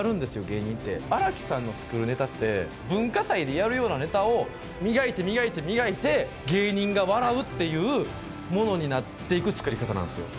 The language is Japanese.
芸人って荒木さんのつくるネタって文化祭でやるようなネタを磨いて磨いて磨いて芸人が笑うっていうものになっていくつくりかたなんですよ